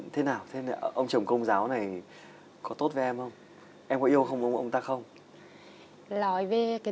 thế nào thế này ông chồng công giáo này có tốt với em không em có yêu không ông ta không nói về cái